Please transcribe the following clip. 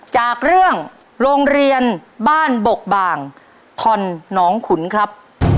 จากเรื่องโรงเรียนบ้านบกบางทอนหนองขุนครับ